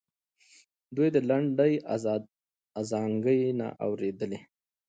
دوی د لنډۍ ازانګې نه اورېدلې.